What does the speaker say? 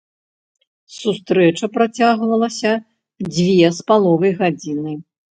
Сустрэча працягвалася дзве з паловай гадзіны.